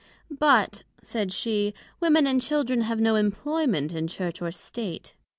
But, said she, Women and Children have no Employment in Church or State.